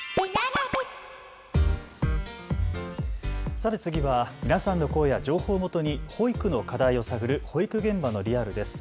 さて次は皆さんの声や情報をもとに保育の課題を探る保育現場のリアルです。